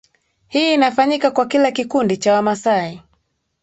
Hii inafanyika kwa kila kikundi cha Wamasai